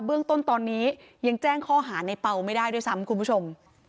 เรื่องต้นตอนนี้ยังแจ้งข้อหาในเปล่าไม่ได้ด้วยซ้ำคุณผู้ชม